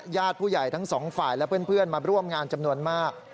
ญาติผู้ใหญ่ทั้งสองฝ่ายและเพื่อนมาร่วมงานจำนวนมาก